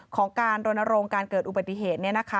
ของการโดนโรงการเกิดอุบัติเหตุนี้นะคะ